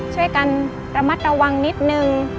ช่วยกันระมัดระวังนิดนึง